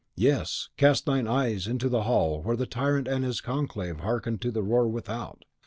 Yes; cast thine eyes into the hall where the tyrant and his conclave hearkened to the roar without!